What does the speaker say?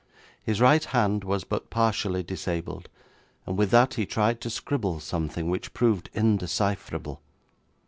His right hand was but partially disabled, and with that he tried to scribble something which proved indecipherable.